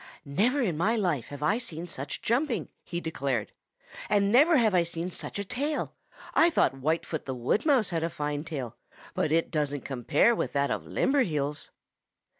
"Never in my life have I seen such jumping," he declared. "And never have I seen such a tail. I thought Whitefoot the Wood Mouse had a fine tail, but it doesn't compare with that of Limberheels."